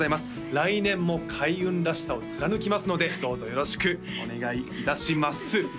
来年も開運らしさを貫きますのでどうぞよろしくお願いいたします